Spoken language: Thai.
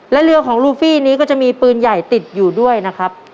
และเรือของลูฟี่นี้ก็จะมีปืนใหญ่ติดอยู่ด้วยนะครับ